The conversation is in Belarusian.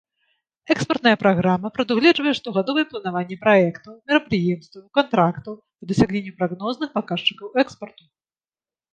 Экспартная праграма прадугледжвае штогадовае планаванне праектаў, мерапрыемстваў, кантрактаў па дасягненню прагнозных паказчыкаў экспарту.